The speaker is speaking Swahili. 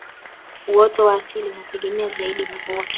uoto wa asili unategemea zaidi mvua